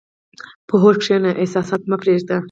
په هوښ کښېنه، احساسات مه پرېږده.